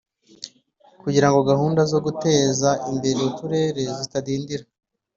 kugirango gahunda zo guteza imbere uturere zitadindira.